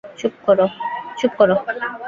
চুপ কর।